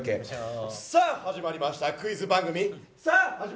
さぁ、始まりましたクイズ番組。